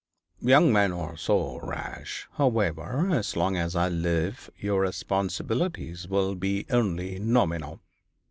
'Young men are so rash. However, as long as I live your responsibilities will be only nominal.